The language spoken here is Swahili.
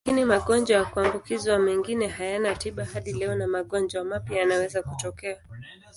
Lakini magonjwa ya kuambukizwa mengine hayana tiba hadi leo na magonjwa mapya yanaweza kutokea.